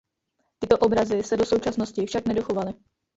Tyto obrazy se do současnosti však nedochovaly.